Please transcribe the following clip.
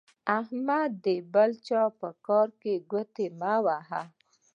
احمده د بل چا په کار کې ګوتې مه وهه.